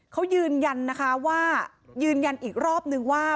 เขายืนยันนะคะว่ายืนยันอีกรอบนึงว่า